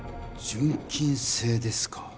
純金製ですか。